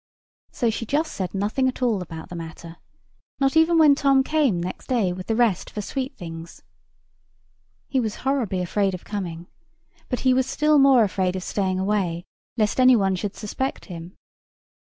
So she just said nothing at all about the matter, not even when Tom came next day with the rest for sweet things. He was horribly afraid of coming: but he was still more afraid of staying away, lest any one should suspect him.